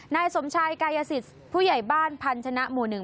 นายสมชายกายสิทธิ์ผู้ใหญ่บ้านพันธนะหมู่หนึ่ง